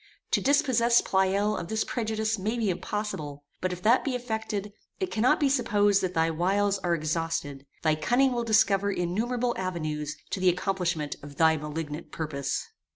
To dispossess Pleyel of this prejudice may be impossible; but if that be effected, it cannot be supposed that thy wiles are exhausted; thy cunning will discover innumerable avenues to the accomplishment of thy malignant purpose.